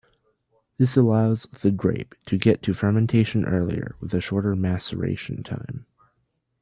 This allows the grape to get to fermentation earlier with a shorter maceration time.